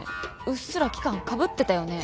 うっすら期間かぶってたよね？